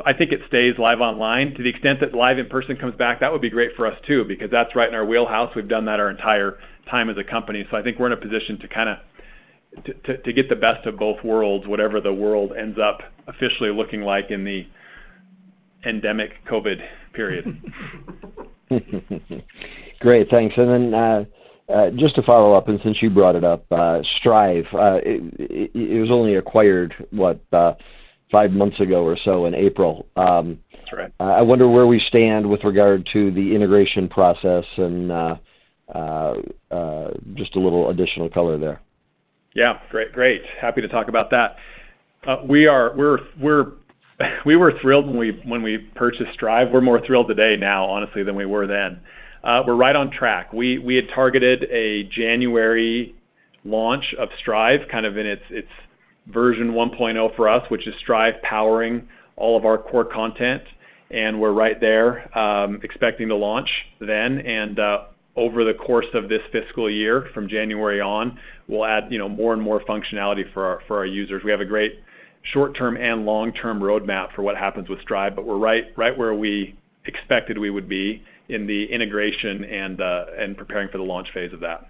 I think it stays live online. To the extent that live in person comes back, that would be great for us, too, because that's right in our wheelhouse. We've done that our entire time as a company. I think we're in a position to get the best of both worlds, whatever the world ends up officially looking like in the endemic COVID period. Great. Thanks. Just to follow up, and since you brought it up, Strive, it was only acquired, what, five months ago or so in April. That's right. I wonder where we stand with regard to the integration process and, just a little additional color there. Yeah. Great. Happy to talk about that. We were thrilled when we purchased Strive. We're more thrilled today now, honestly, than we were then. We're right on track. We had targeted a January launch of Strive, kind of in its version 1.0 for us, which is Strive powering all of our core content, and we're right there, expecting to launch then. Over the course of this fiscal year from January on, we'll add, you know, more and more functionality for our users. We have a great short-term and long-term roadmap for what happens with Strive, but we're right where we expected we would be in the integration and preparing for the launch phase of that.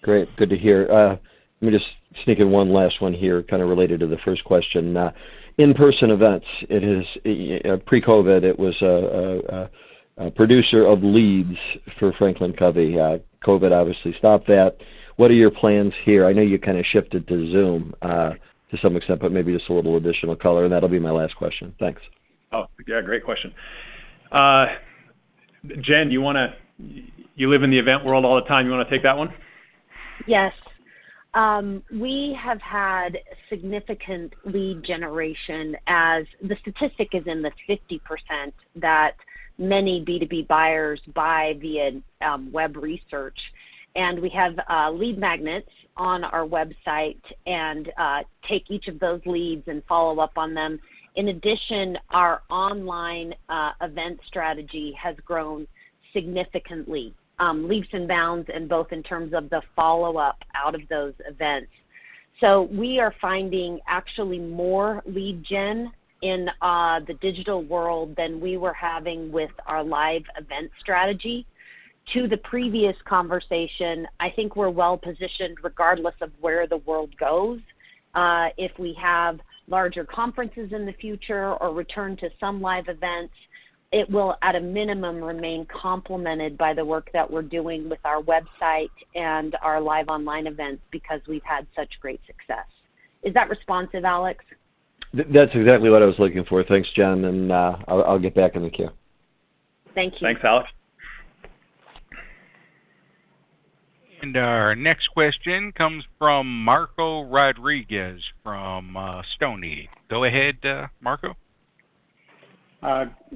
Great. Good to hear. Let me just sneak in one last one here, kind of related to the first question. In-person events, pre-COVID, it was a producer of leads for Franklin Covey. COVID obviously stopped that. What are your plans here? I know you kind of shifted to Zoom to some extent, but maybe just a little additional color, and that'll be my last question. Thanks. Oh, yeah, great question. Jen, do you wanna. You live in the event world all the time. You wanna take that one? Yes. We have had significant lead generation as the statistic is in the 50% that many B2B buyers buy via web research. We have lead magnets on our website and take each of those leads and follow up on them. In addition, our online event strategy has grown significantly leaps and bounds, and both in terms of the follow-up out of those events. We are finding actually more lead gen in the digital world than we were having with our live event strategy. To the previous conversation, I think we're well-positioned regardless of where the world goes. If we have larger conferences in the future or return to some live events, it will, at a minimum, remain complemented by the work that we're doing with our website and our live online events because we've had such great success. Is that responsive, Alex? That's exactly what I was looking for. Thanks, Jen, and I'll get back in the queue. Thank you. Thanks, Alex. Our next question comes from Marco Rodriguez from Stonegate. Go ahead, Marco.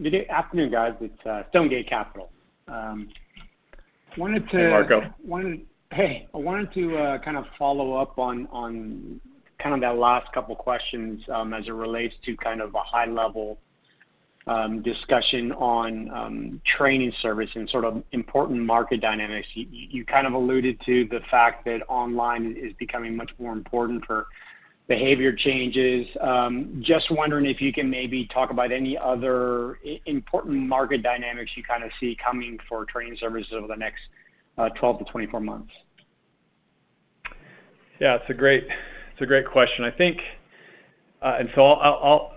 Good afternoon, guys. It's Stonegate Capital. Wanted to- Hey, Marco. I wanted to kind of follow up on kind of that last couple questions, as it relates to kind of a high level discussion on training service and sort of important market dynamics. You kind of alluded to the fact that online is becoming much more important for behavior changes. Just wondering if you can maybe talk about any other important market dynamics you kind of see coming for training services over the next 12-24 months. Yeah. It's a great question. I think I'll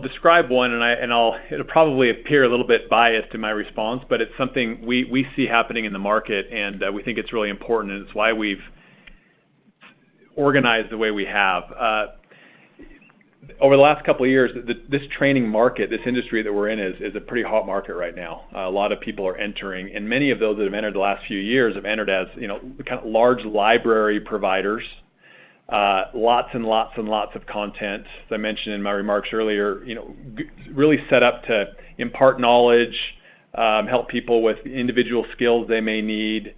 describe one. It'll probably appear a little bit biased in my response, but it's something we see happening in the market, and we think it's really important, and it's why we've organized the way we have. Over the last couple years, this training market, this industry that we're in is a pretty hot market right now. A lot of people are entering, and many of those that have entered the last few years have entered as, you know, kind of large library providers. Lots of content. As I mentioned in my remarks earlier, you know, really set up to impart knowledge, help people with individual skills they may need,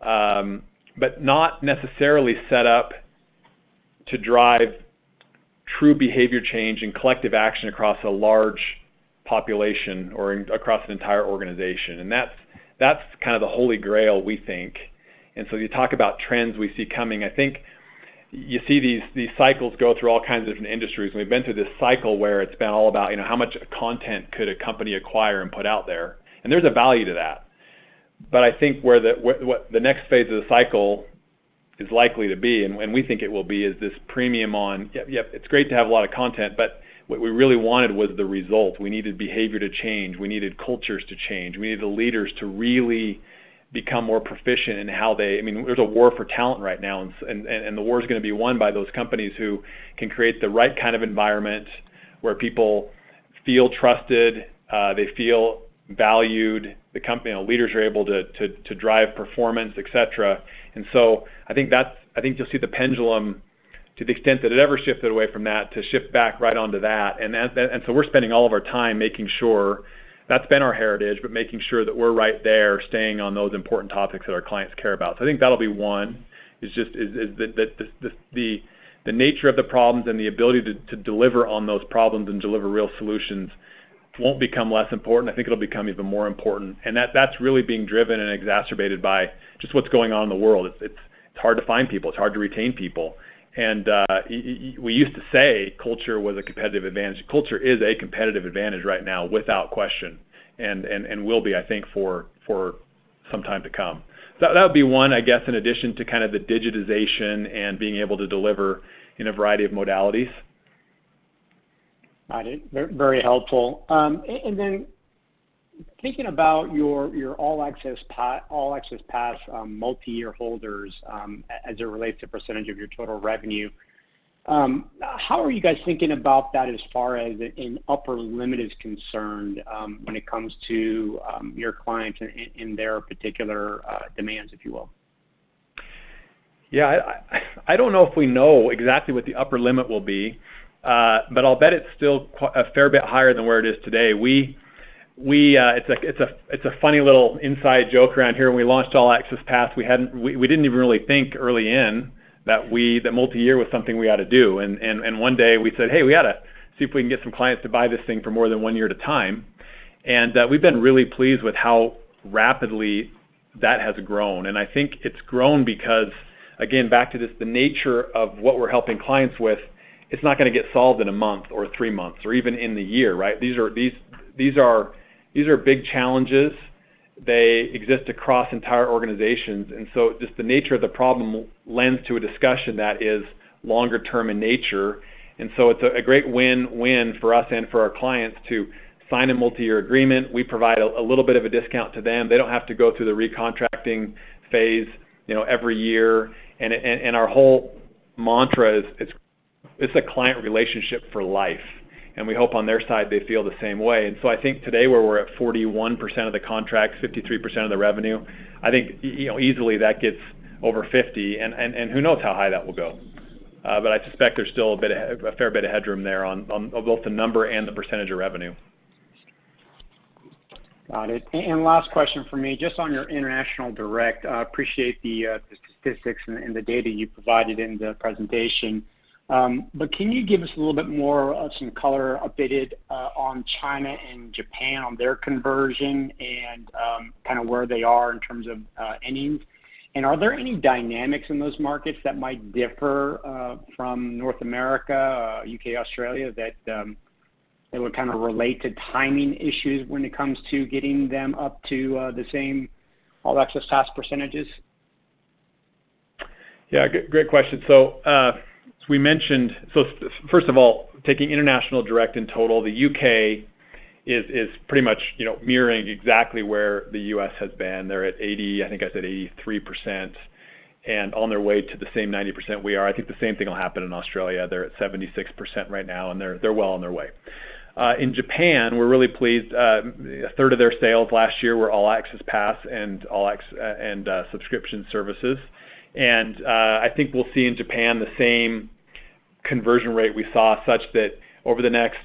but not necessarily set up to drive true behavior change and collective action across a large population or across an entire organization, and that's kind of the Holy Grail, we think. You talk about trends we see coming. I think you see these cycles go through all kinds of different industries, and we've been through this cycle where it's been all about, you know, how much content could a company acquire and put out there, and there's a value to that. I think where what the next phase of the cycle is likely to be, and we think it will be, is this premium on yep, it's great to have a lot of content, but what we really wanted was the result. We needed behavior to change. We needed cultures to change. We needed the leaders to really become more proficient in how they. I mean, there's a war for talent right now, and the war's gonna be won by those companies who can create the right kind of environment where people feel trusted, they feel valued, leaders are able to drive performance, et cetera. I think you'll see the pendulum, to the extent that it ever shifted away from that, to shift back right onto that. We're spending all of our time making sure that's been our heritage, but making sure that we're right there staying on those important topics that our clients care about. I think that'll be one, is just that the nature of the problems and the ability to deliver on those problems and deliver real solutions won't become less important. I think it'll become even more important, and that's really being driven and exacerbated by just what's going on in the world. It's hard to find people. It's hard to retain people. We used to say culture was a competitive advantage. Culture is a competitive advantage right now without question and will be, I think, for some time to come. That would be one, I guess, in addition to kind of the digitization and being able to deliver in a variety of modalities. Got it. Very helpful. Thinking about your All Access Pass multiyear holders, as it relates to percentage of your total revenue, how are you guys thinking about that as far as an upper limit is concerned, when it comes to your clients and their particular demands, if you will? Yeah. I don't know if we know exactly what the upper limit will be, but I'll bet it's still quite a fair bit higher than where it is today. It's a funny little inside joke around here. When we launched All Access Pass, we didn't even really think early in that multi-year was something we ought to do. One day, we said, "Hey, we ought to see if we can get some clients to buy this thing for more than one year at a time." We've been really pleased with how rapidly that has grown. I think it's grown because, again, back to this, the nature of what we're helping clients with, it's not gonna get solved in a month or three months or even in the year, right? These are big challenges. They exist across entire organizations. Just the nature of the problem lends to a discussion that is longer term in nature. It's a great win-win for us and for our clients to sign a multiyear agreement. We provide a little bit of a discount to them. They don't have to go through the re-contracting phase, you know, every year. Our whole mantra is it's a client relationship for life, and we hope on their side they feel the same way. I think today, where we're at 41% of the contracts, 53% of the revenue, I think, you know, easily that gets over 50, and who knows how high that will go. I suspect there's still a fair bit of headroom there on both the number and the percentage of revenue. Got it. Last question for me, just on your international direct, appreciate the statistics and the data you provided in the presentation. Can you give us a little bit more of some color updated on China and Japan on their conversion and kind of where they are in terms of endings? Are there any dynamics in those markets that might differ from North America, U.K., Australia that would kind of relate to timing issues when it comes to getting them up to the same All Access Pass percentages? Yeah. Great question. As we mentioned. First of all, taking international direct in total, the U.K. is pretty much, you know, mirroring exactly where the U.S. has been. They're at 80, I think I said 83%, and on their way to the same 90% we are. I think the same thing will happen in Australia. They're at 76% right now, and they're well on their way. In Japan, we're really pleased. A third of their sales last year were All Access Pass and subscription services. I think we'll see in Japan the same conversion rate we saw such that over the next,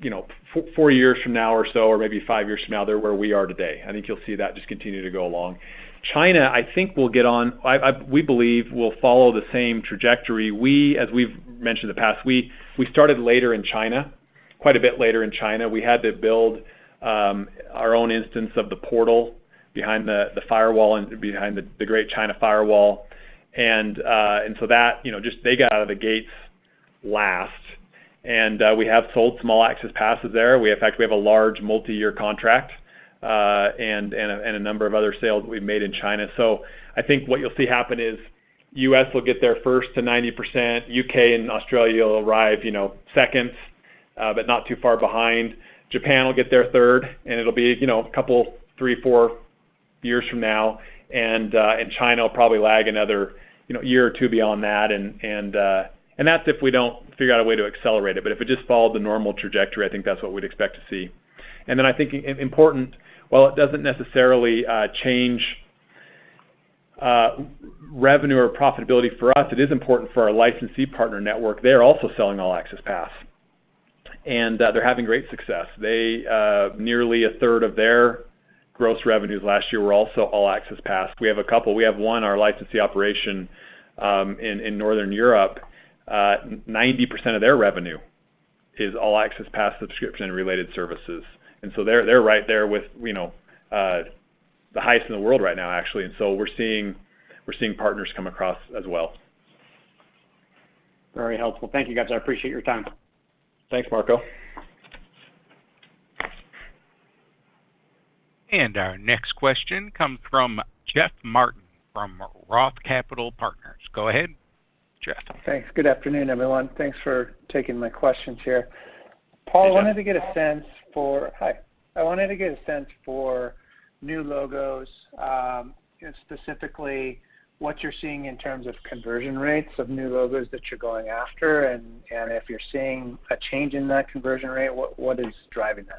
you know, 4 years from now or so or maybe 5 years from now, they're where we are today. I think you'll see that just continue to go along. China, I think, we believe will follow the same trajectory. We, as we've mentioned in the past, started later in China, quite a bit later in China. We had to build our own instance of the portal behind the firewall and behind the great China firewall. That, you know, just they got out of the gates last. We have sold some All Access Passes there. In fact, we have a large multi-year contract and a number of other sales we've made in China. I think what you'll see happen is U.S. will get there first to 90%, U.K. and Australia will arrive, you know, second, but not too far behind. Japan will get there third, and it'll be a couple three, four years from now. China will probably lag another year or two beyond that. That's if we don't figure out a way to accelerate it. If it just followed the normal trajectory, I think that's what we'd expect to see. Then I think it's important, while it doesn't necessarily change revenue or profitability for us, it is important for our licensee partner network. They are also selling All Access Pass, and they're having great success. They nearly a third of their gross revenues last year were also All Access Pass. We have a couple. We have one, our licensee operation in Northern Europe, 90% of their revenue is All Access Pass subscription related services. They're right there with, you know, the highest in the world right now, actually. We're seeing partners come across as well. Very helpful. Thank you, guys. I appreciate your time. Thanks, Marco. Our next question comes from Jeff Martin from ROTH Capital Partners. Go ahead, Jeff. Thanks. Good afternoon, everyone. Thanks for taking my questions here. Yeah. Paul, I wanted to get a sense for new logos, specifically what you're seeing in terms of conversion rates of new logos that you're going after. If you're seeing a change in that conversion rate, what is driving that?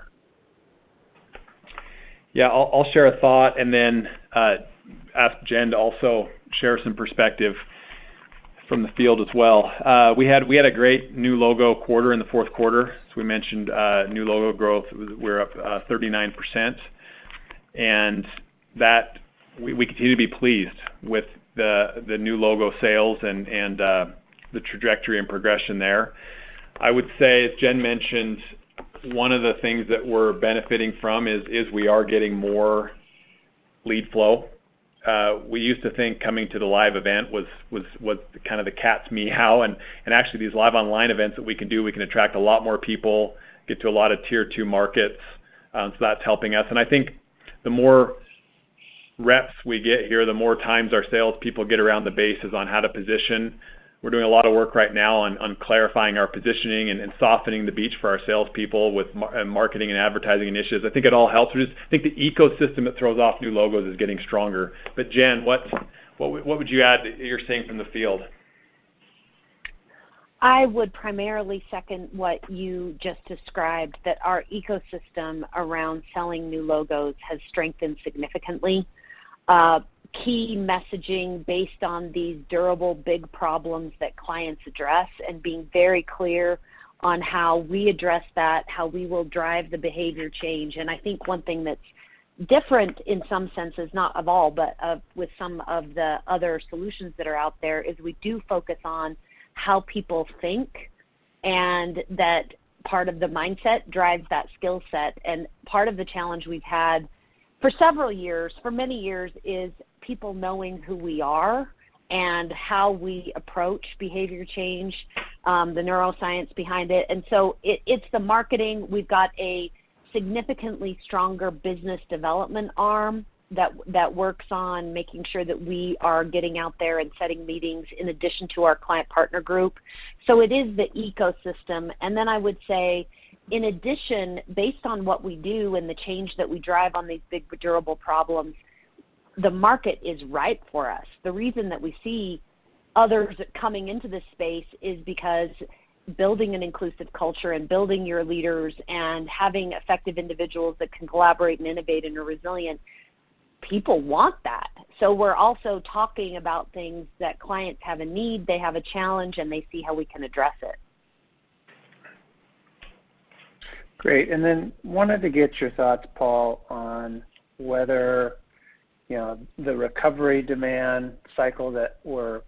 Yeah. I'll share a thought and then ask Jen to also share some perspective from the field as well. We had a great new logo quarter in the fourth quarter. We mentioned new logo growth, we're up 39%. We continue to be pleased with the new logo sales and the trajectory and progression there. I would say, as Jen mentioned, one of the things that we're benefiting from is we are getting more lead flow. We used to think coming to the live event was kind of the cat's meow. Actually these live online events that we can do, we can attract a lot more people, get to a lot of tier two markets, so that's helping us. I think the more reps we get here, the more times our salespeople get around the bases on how to position. We're doing a lot of work right now on clarifying our positioning and softening the beachhead for our salespeople with marketing and advertising initiatives. I think it all helps. I just think the ecosystem that throws off new logos is getting stronger. Jen, what would you add that you're seeing from the field? I would primarily second what you just described, that our ecosystem around selling new logos has strengthened significantly. Key messaging based on these durable, big problems that clients address and being very clear on how we address that, how we will drive the behavior change. I think one thing that's different in some senses, not all, but with some of the other solutions that are out there, is we do focus on how people think, and that part of the mindset drives that skill set. Part of the challenge we've had for several years, for many years, is people knowing who we are and how we approach behavior change, the neuroscience behind it. It's the marketing. We've got a significantly stronger business development arm that works on making sure that we are getting out there and setting meetings in addition to our client partner group. It is the ecosystem. I would say, in addition, based on what we do and the change that we drive on these big, durable problems, the market is ripe for us. The reason that we see others coming into this space is because building an inclusive culture and building your leaders and having effective individuals that can collaborate and innovate and are resilient, people want that. We're also talking about things that clients have a need, they have a challenge, and they see how we can address it. Great. wanted to get your thoughts, Paul, on whether, you know, the recovery demand cycle that we're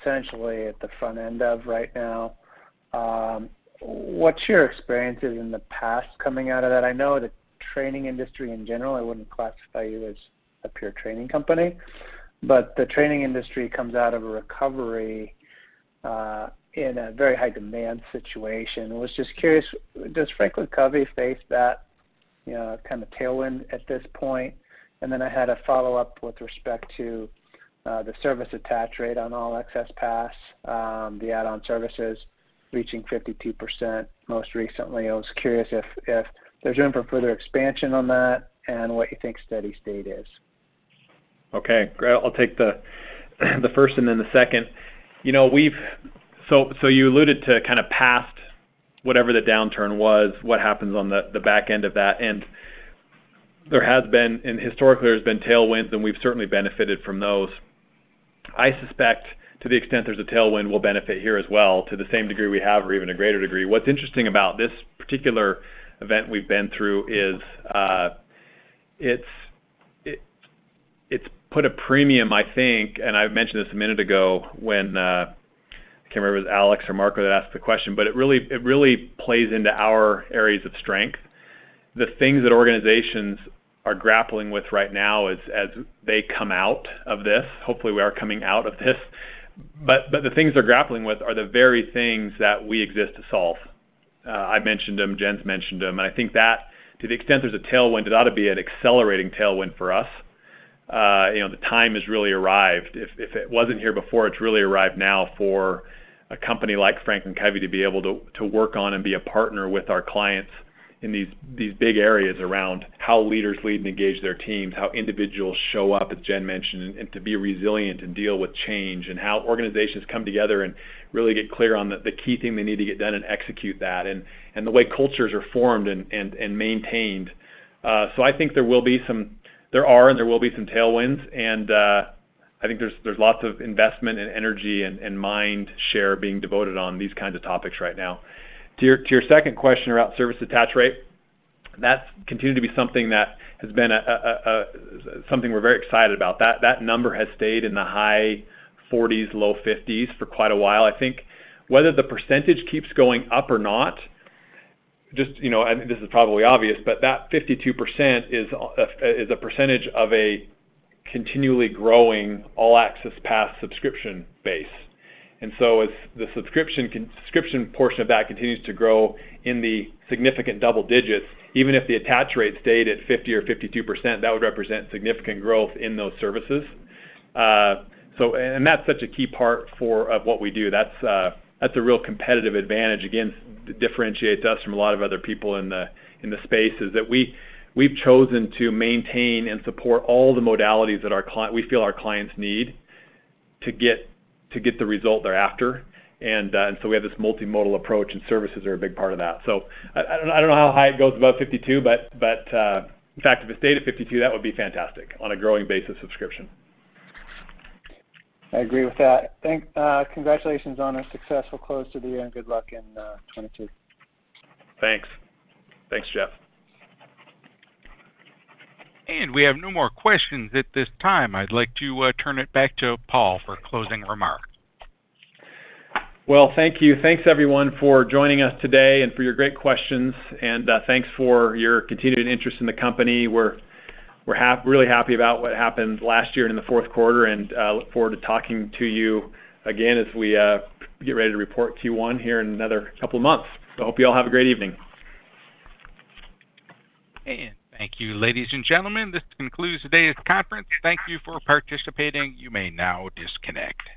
essentially at the front end of right now, what's your experiences in the past coming out of that? I know the training industry in general, I wouldn't classify you as a pure training company, but the training industry comes out of a recovery, in a very high demand situation. Was just curious, does Franklin Covey face that, you know, kind of tailwind at this point? I had a follow-up with respect to, the service attach rate on All Access Pass, the add-on services reaching 52% most recently. I was curious if there's room for further expansion on that and what you think steady state is. Okay. Great, I'll take the first and then the second. You know, we've alluded to kind of past whatever the downturn was, what happens on the back end of that, and there has been, and historically there's been tailwinds, and we've certainly benefited from those. I suspect to the extent there's a tailwind, we'll benefit here as well to the same degree we have or even a greater degree. What's interesting about this particular event we've been through is, it's put a premium, I think, and I mentioned this a minute ago when, I can't remember if it was Alex or Marco that asked the question, but it really plays into our areas of strength. The things that organizations are grappling with right now as they come out of this, hopefully we are coming out of this, but the things they're grappling with are the very things that we exist to solve. I've mentioned them, Jen's mentioned them, and I think that to the extent there's a tailwind, it ought to be an accelerating tailwind for us. You know, the time has really arrived. If it wasn't here before, it's really arrived now for a company like Franklin Covey to be able to work on and be a partner with our clients in these big areas around how leaders lead and engage their teams, how individuals show up, as Jen mentioned, and to be resilient and deal with change, and how organizations come together and really get clear on the key thing they need to get done and execute that, and the way cultures are formed and maintained. I think there are and there will be some tailwinds, and I think there's lots of investment and energy and mind share being devoted on these kinds of topics right now. To your second question about service attach rate, that's continued to be something that has been something we're very excited about. That number has stayed in the high 40s, low 50s for quite a while. I think whether the percentage keeps going up or not, just, you know, and this is probably obvious, but that 52% is a percentage of a continually growing All Access Pass subscription base. As the subscription portion of that continues to grow in the significant double digits, even if the attach rate stayed at 50% or 52%, that would represent significant growth in those services. That's such a key part of what we do. That's a real competitive advantage. Again, it differentiates us from a lot of other people in the space is that we've chosen to maintain and support all the modalities that we feel our clients need to get the result they're after, and so we have this multimodal approach, and services are a big part of that. I don't know how high it goes above 52%, but in fact, if it stayed at 52%, that would be fantastic on a growing base of subscription. I agree with that. Congratulations on a successful close to the year, and good luck in 2022. Thanks. Thanks, Jeff. We have no more questions at this time. I'd like to turn it back to Paul for closing remarks. Well, thank you. Thanks everyone for joining us today and for your great questions, and thanks for your continued interest in the company. We're really happy about what happened last year in the fourth quarter, and look forward to talking to you again as we get ready to report Q1 here in another couple of months. I hope you all have a great evening. Thank you, ladies and gentlemen. This concludes today's conference. Thank you for participating. You may now disconnect.